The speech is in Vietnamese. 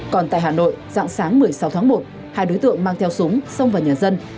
còn tại hà nội dạng sáng một mươi sáu tháng một hai đối tượng mang theo súng xông vào nhà dân